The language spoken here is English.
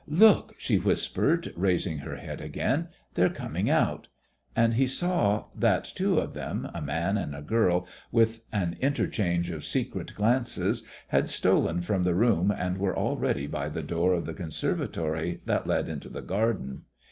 "Look!" she whispered, raising her head again; "they're coming out." And he saw that two of them, a man and a girl, with an interchange of secret glances, had stolen from the room and were already by the door of the conservatory that led into the garden.